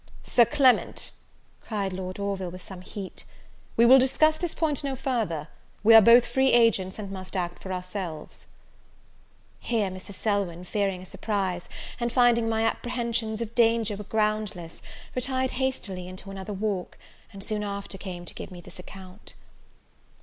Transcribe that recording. "Sir Clement," cried Lord Orville, with some heat, "we will discuss this point no further; we are both free agents, and must act for ourselves." Here Mrs. Selwyn, fearing a surprise, and finding my apprehensions of danger were groundless, retired hastily into another walk, and soon after came to give me this account.